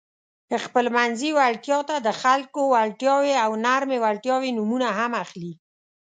خپلمنځي وړتیا ته د خلکو وړتیاوې او نرمې وړتیاوې نومونه هم اخلي.